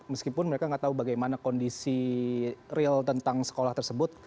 meskipun mereka nggak tahu bagaimana kondisi real tentang sekolah tersebut